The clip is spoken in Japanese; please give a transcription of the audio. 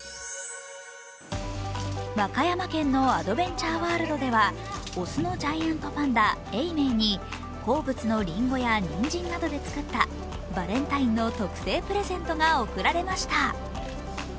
和歌山県のアドベンチャーワールドでは、雄のジャイアントパンダ・永明に好物のりんごやにんじんなどで作ったバレンタインの特製プレゼントが贈られました。